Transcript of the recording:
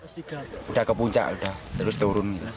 sudah ke puncak sudah terus turun